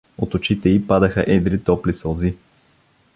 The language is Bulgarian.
От очите й падаха едри топли сълзи.